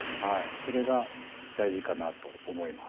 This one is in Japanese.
それが大事かなと思います。